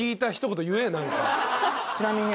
ちなみに。